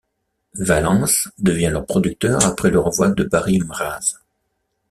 Vallance devient leur producteur après le renvoi de Barry Mraz.